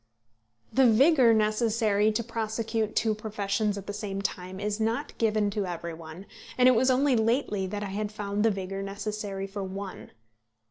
The vigour necessary to prosecute two professions at the same time is not given to every one, and it was only lately that I had found the vigour necessary for one.